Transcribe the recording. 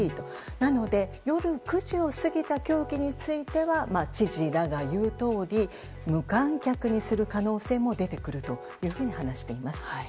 なので、夜９時を過ぎた競技については知事らが言うとおり無観客にする可能性も出てくると話しています。